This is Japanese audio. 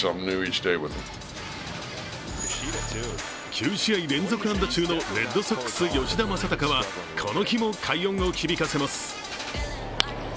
９試合連続安打中のレッドソックス・吉田正尚はこの日も快音を響かせます。